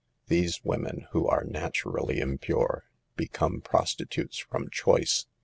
These women, who are naturally * impure, become prostitutes from choice.